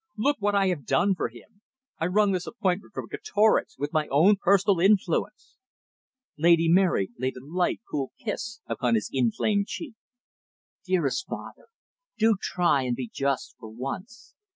Look what I have done for him. I wrung this appointment from Greatorex, with my own personal influence." Lady Mary laid a light, cool kiss upon his inflamed cheek. "Dearest father, do try and be just for once.